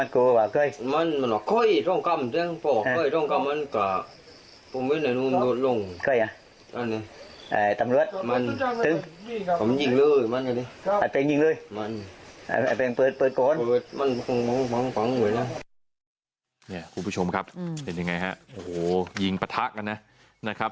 คุณผู้ชมครับเป็นยังไงฮะโอ้โหยิงปะทะกันนะครับ